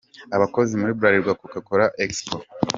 Abakozi muri Bralirwa, Coca-Cola na Exp.